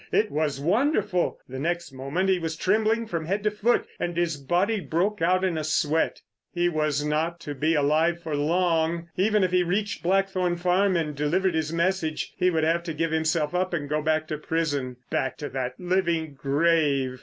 It was wonderful! The next moment he was trembling from head to foot, and his body broke out in a sweat. He was not to be alive for long. Even if he reached Blackthorn Farm and delivered his message he would have to give himself up and go back to prison. Back to that living grave!